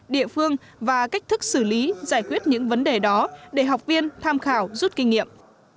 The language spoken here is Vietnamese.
địa phương và cách thức xử lý giải quyết những vấn đề đó để học viên tham khảo rút kinh nghiệm